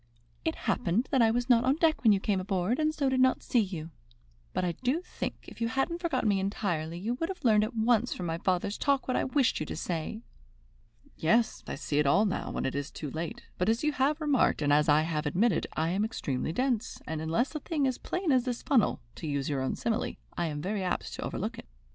"It happened that I was not on deck when you came aboard, and so did not see you. But I do think, if you hadn't forgotten me entirely, you would have learned at once from my father's talk what I wished you to say." "Yes, I see it all now, when it is too late; but as you have remarked, and as I have admitted, I am extremely dense, and unless a thing is as plain as the funnel to use your own simile I am very apt to overlook it.